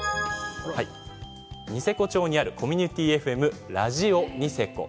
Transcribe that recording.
ニセコ町にあるコミュニティＦＭラジオニセコ。